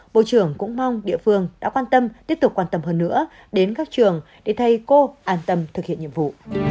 bộ trưởng cũng mong địa phương đã quan tâm tiếp tục quan tâm hơn nữa đến các trường để thầy cô an tâm thực hiện nhiệm vụ